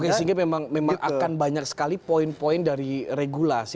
oke sehingga memang akan banyak sekali poin poin dari regulasi